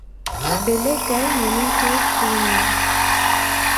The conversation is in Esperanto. Belegaj momentoj kune.